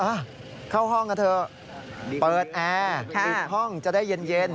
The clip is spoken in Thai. เข้าห้องกันเถอะเปิดแอร์ปิดห้องจะได้เย็น